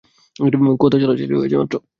কথা চালাচালি হয়েছে।